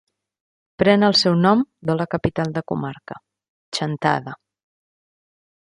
Pren el seu nom de la capital de comarca, Chantada.